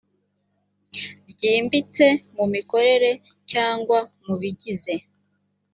ryimbitse mu mikorere cyangwa mu bigize